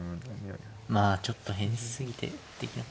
まあちょっと変すぎて。